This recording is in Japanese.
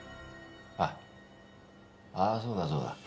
ああぁそうだそうだ。